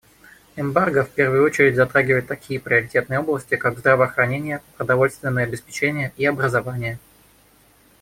Эмбарго в первую очередь затрагивает такие приоритетные области, как здравоохранение, продовольственное обеспечение и образование.